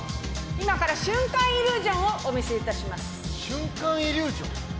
今から瞬間イリュージョンをお見せいたします瞬間イリュージョン！？